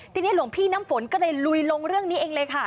ทีนี้หลวงพี่น้ำฝนก็เลยลุยลงเรื่องนี้เองเลยค่ะ